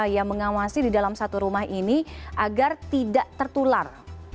yang mengawasi di dalam satu rumah ini agar tidak tertular